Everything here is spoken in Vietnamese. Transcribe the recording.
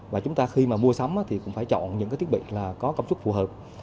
và chúng ta khi mà mua sắm thì cũng phải chọn những thiết bị có công suất phù hợp